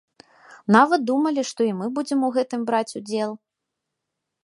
Нават думалі, што і мы будзем у гэтым браць удзел.